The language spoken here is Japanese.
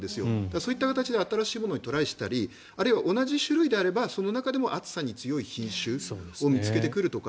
そういった形で新しいものにトライしたり同じ種類であればその中でも暑さに強い品種を見つけてくるとか。